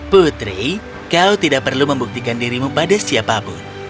putri kau tidak perlu membuktikan dirimu pada siapapun